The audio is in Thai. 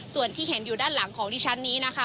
ส่วนที่เห็นอยู่ด้านหลังของดิฉันนี้นะคะ